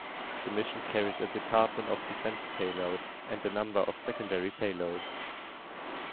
The mission carried a Department of Defense payload, and a number of secondary payloads.